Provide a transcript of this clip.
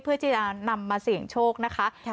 เพื่อที่จะนำมาเสี่ยงโชคนะคะ